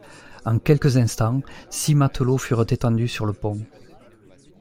En quelques instants, six matelots furent étendus sur le pont.